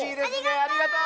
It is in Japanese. ありがとう！